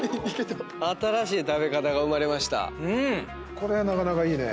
これはなかなかいいね。